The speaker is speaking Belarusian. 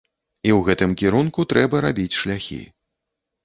І ў гэтым кірунку трэба рабіць шляхі.